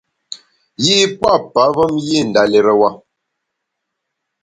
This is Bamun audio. Yî pua’ pavem yî nda lérewa.